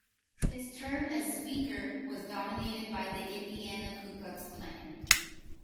His term as Speaker was dominated by the Indiana Ku Klux Klan.